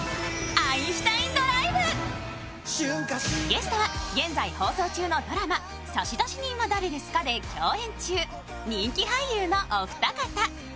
ゲストは現在放送中のドラマ「差出人は、誰ですか？」で共演中人気俳優のお二方。